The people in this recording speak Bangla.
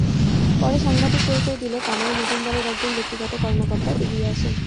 পরে সাংবাদিক পরিচয় দিলে কামাল মজুমদারের একজন ব্যক্তিগত কর্মকর্তা এগিয়ে আসেন।